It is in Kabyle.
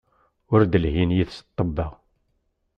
Ur d-lhin yid-s ṭṭebba.